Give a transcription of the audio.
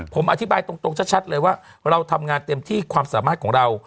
ผมอธิบายตรงชัดเลยว่าเราทำงานเต็มที่ความสามารถของเรา